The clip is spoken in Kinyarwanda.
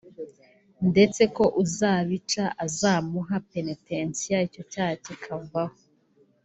ndetse ko uzabica azamuha penetensiya icyo cyaha kikavaho